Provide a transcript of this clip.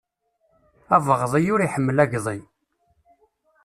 Abeɣḍi ur iḥemmel agḍi.